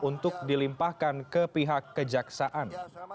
untuk dilimpahkan ke pihak kejaksaan